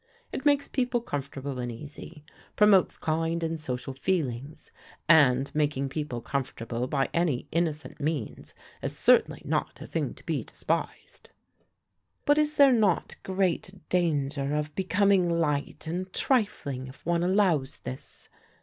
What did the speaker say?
It makes people comfortable and easy, promotes kind and social feelings; and making people comfortable by any innocent means is certainly not a thing to be despised." "But is there not great danger of becoming light and trifling if one allows this?"